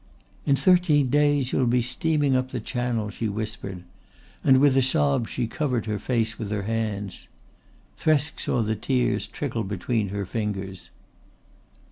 "In thirteen days you'll be steaming up the Channel," she whispered, and with a sob she covered her face with her hands. Thresk saw the tears trickle between her fingers.